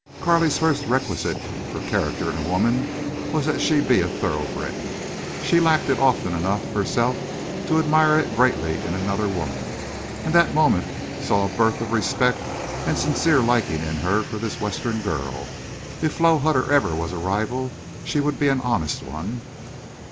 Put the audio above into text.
Carley's first requisite for character in a woman was that she be a thoroughbred. She lacked it often enough herself to admire it greatly in another woman. And that moment saw a birth of respect and sincere liking in her for this Western girl. If Flo Hutter ever was a rival she would be an honest one.